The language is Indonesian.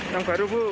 yang baru bu